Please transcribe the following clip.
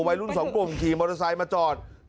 วัยรุ่นสองกลุ่มขี่มอเตอร์ไซค์มาจอด